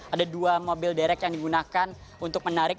ada dua mobil derek yang digunakan untuk menarik